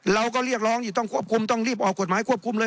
เราก็เรียกร้องอยู่ต้องควบคุมต้องรีบออกกฎหมายควบคุมเลย